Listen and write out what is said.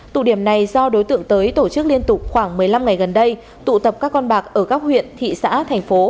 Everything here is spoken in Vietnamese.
tụ điểm này do đối tượng tới tổ chức liên tục khoảng một mươi năm ngày gần đây tụ tập các con bạc ở các huyện thị xã thành phố